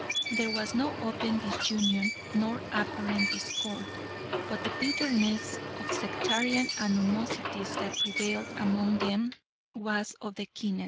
There was no open disunion nor apparent discord, but the bitterness of sectarian animosities that prevailed among them was of the keenest.